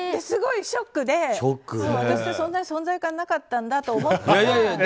すごいショックで私ってそんなに存在感なかったんだと思って。